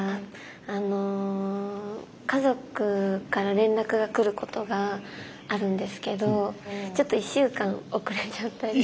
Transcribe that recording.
あの家族から連絡が来ることがあるんですけどちょっと１週間遅れちゃったりとか。